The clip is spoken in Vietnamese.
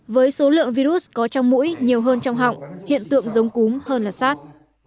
với số lượng virus có trong mũi nhiều hơn trong họng hiện tượng giống cúm hơn là sars